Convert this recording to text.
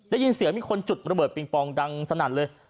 ได้ยินเสียงมีคนจุดระเบิดปิงปองดังสนั่นเลย